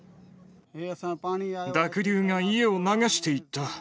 濁流が家を流していった。